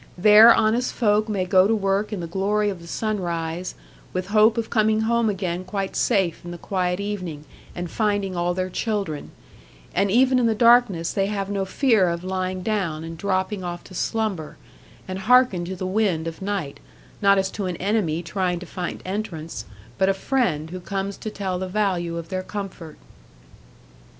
There honest folk may go to work in the glory of the sunrise, with hope of coming home again quite safe in the quiet evening, and finding all their children; and even in the darkness they have no fear of lying down, and dropping off to slumber, and hearken to the wind of night, not as to an enemy trying to find entrance, but a friend who comes to tell the value of their comfort.